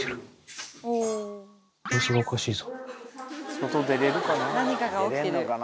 外出れるかな。